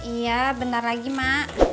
iya bentar lagi mak